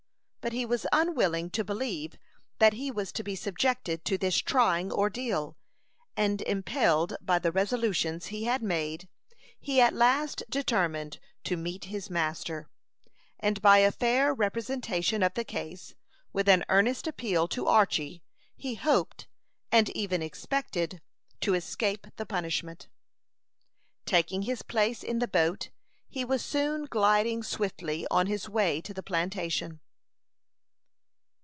But he was unwilling to believe that he was to be subjected to this trying ordeal, and impelled by the resolutions he had made, he at last determined to meet his master, and by a fair representation of the case, with an earnest appeal to Archy, he hoped, and even expected, to escape the punishment. Taking his place in the boat, he was soon gliding swiftly on his way to the plantation.